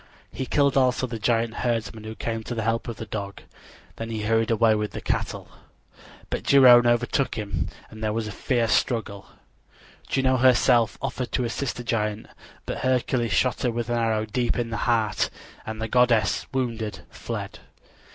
He killed also the giant herdsman who came to the help of the dog. Then he hurried away with the cattle. But Geryone overtook him and there was a fierce struggle. Juno herself offered to assist the giant; but Hercules shot her with an arrow deep in the heart, and the goddess, wounded, fled.